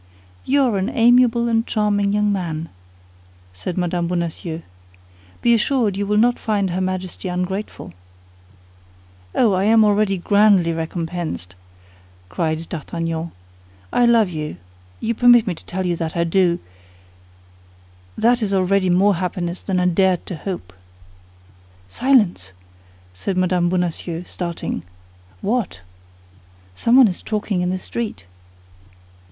"You are an amiable and charming young man," said Mme. Bonacieux. "Be assured you will not find her Majesty ungrateful." "Oh, I am already grandly recompensed!" cried D'Artagnan. "I love you; you permit me to tell you that I do—that is already more happiness than I dared to hope." "Silence!" said Mme. Bonacieux, starting. "What!" "Someone is talking in the street."